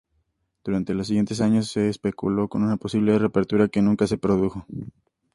Durante los siguientes años se especuló con una posible reapertura que nunca se produjo.